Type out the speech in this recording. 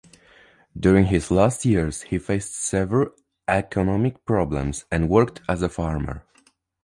During his last years, he faced severe economic problems, and worked as a farmer.